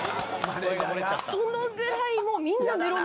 そのぐらいもうみんなメロメロで。